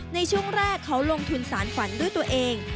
ในช่วงแรกเขาลงทุนสารฝันด้วยตัวเอง